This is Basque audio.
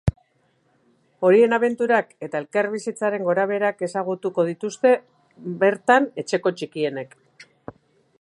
Horien abenturak eta elkarbizitzaren gorabeherak ezagutuko dituzte bertan etxeko txikienek.